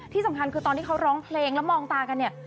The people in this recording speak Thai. ที่สำคัญคือตอนที่เขาร้องเพลงแล้วมองตากันเนี่ย